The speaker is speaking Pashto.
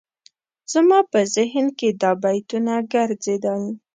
زما په ذهن کې دا بیتونه ګرځېدل.